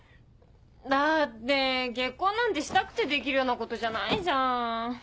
だって結婚なんてしたくてできるようなことじゃないじゃん。